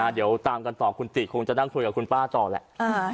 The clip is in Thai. เดี๋ยวตามกันต่อคุณติคงจะนั่งคุยกับคุณป้าต่อแหละ